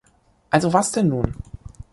Also was denn nun?